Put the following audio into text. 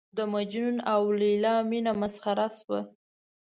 د مجنون او لېلا مینه مسخره شوه.